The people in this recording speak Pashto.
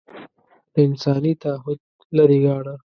له انساني تعهد لرې ګاڼه